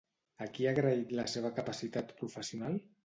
A qui ha agraït la seva capacitat professional?